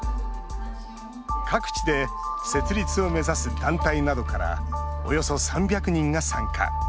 各地で設立を目指す団体などからおよそ３００人が参加。